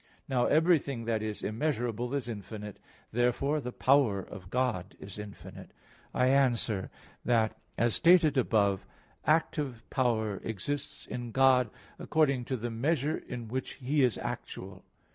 Now everything that is immeasurable is infinite. Therefore the power of God is infinite. I answer that, As stated above (A. 1), active power exists in God according to the measure in which He is actual.